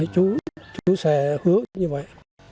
chú sẽ hứa như vậy